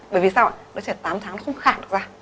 bởi vì sao đứa trẻ tám tháng nó không khả được ra